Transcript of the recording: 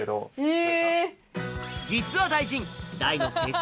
え！